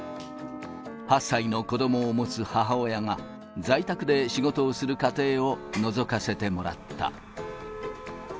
８歳の子どもを持つ母親が、在宅で仕事をする家庭をのぞかせてもらった。